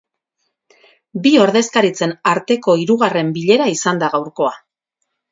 Bi ordezkaritzen arteko hirugarren bilera izan da gaurkoa.